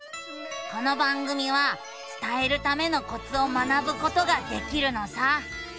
この番組は伝えるためのコツを学ぶことができるのさ。